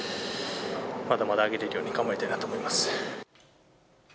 まだまだ上げていけるように、頑張りたいなと思います。